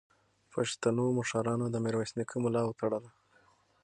پښتنو مشرانو د میرویس نیکه ملا وتړله.